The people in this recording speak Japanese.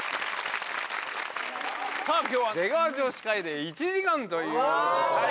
さぁ今日は「出川女子会」で１時間という。